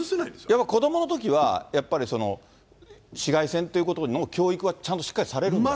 やっぱり子どものときは、紫外線ということの教育はちゃんとしっかりされるの？